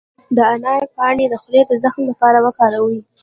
د انار پاڼې د خولې د زخم لپاره وکاروئ